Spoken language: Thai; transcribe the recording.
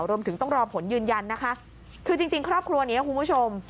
รวมถึงต้องรอผลยืนยันนะคะคือจริงครอบครัวนี้คุณผู้ชม